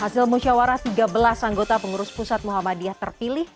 hasil musyawarah tiga belas anggota pengurus pusat muhammadiyah terpilih